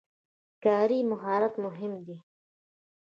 کاري مهارت مهم دی.